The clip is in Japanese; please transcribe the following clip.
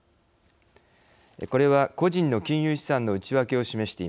これは個人の金融資産の内訳を示しています。